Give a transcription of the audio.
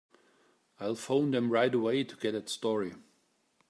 I'll phone them right away to get that story.